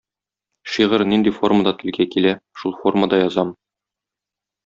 Шигырь нинди формада телгә килә, шул формада язам.